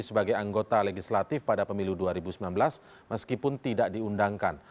sebagai anggota legislatif pada pemilu dua ribu sembilan belas meskipun tidak diundangkan